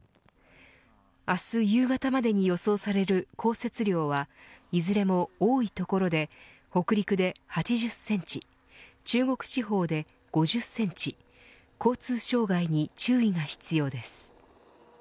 明日夕方までに予想される降雪量はいずれも多い所で北陸で８０センチ中国地方で５０センチ交通障害に注意が必要です。